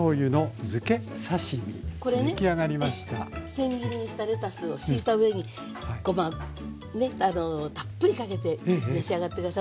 せん切りにしたレタスを敷いた上にごまねたっぷりかけて召し上がって下さい。